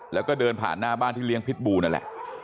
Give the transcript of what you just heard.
แล้วก็เดินผ่านหน้าบ้านที่เลี้ยงพิษบูนั่นแหละ